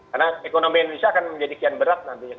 karena ekonomi indonesia akan menjadi kian berat nantinya